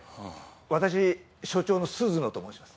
私所長の鈴野と申します。